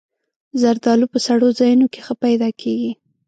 زردالو په سړو ځایونو کې ښه پیدا کېږي.